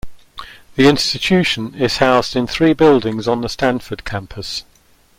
The institution is housed in three buildings on the Stanford campus.